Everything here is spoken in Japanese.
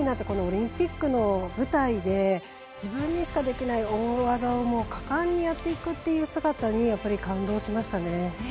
このオリンピックの舞台で自分にしかできない大技をかかんにやっていくという姿に感動しましたね。